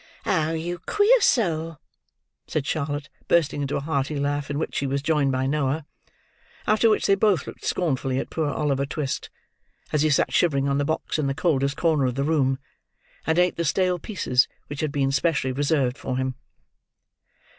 he!" "Oh, you queer soul!" said Charlotte, bursting into a hearty laugh, in which she was joined by Noah; after which they both looked scornfully at poor Oliver Twist, as he sat shivering on the box in the coldest corner of the room, and ate the stale pieces which had been specially reserved for him.